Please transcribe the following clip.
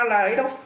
là ấy đâu